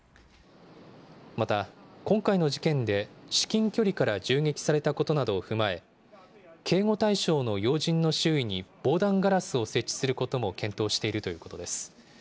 また、今回の事件で、至近距離から銃撃されたことなどを踏まえ、警護対象の要人の周囲に防弾ガラスを設置することも検討しているということです。